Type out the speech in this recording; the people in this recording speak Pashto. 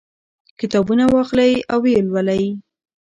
کتابونه واخلئ او ویې لولئ.